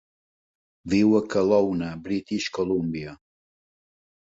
Viu a Kelowna, British Columbia.